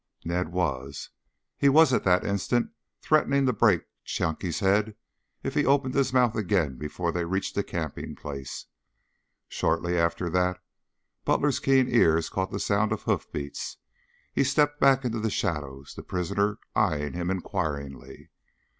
Ned was. He was at that instant threatening to break Chunky's head if he opened his mouth again before they reached the camping place. Shortly after that Butler's keen ears caught the sound of hoofbeats. He stepped back into the shadows, the prisoner eyeing him inquiringly.